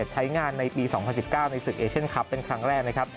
ใช้งานในปี๒๐๑๙ในศึกเอเชียนคลับเป็นครั้งแรกนะครับ